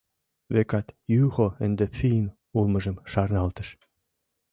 Векат, Юхо ынде финн улмыжым шарналтыш.